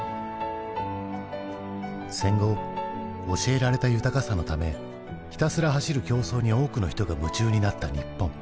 戦後教えられた豊かさのためひたすら走る競争に多くの人が夢中になった日本。